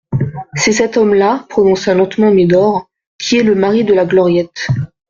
C'est cet homme-là, prononça lentement Médor, qui est le mari de la Gloriette.